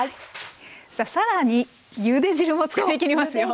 さあ更にゆで汁も使い切りますよ。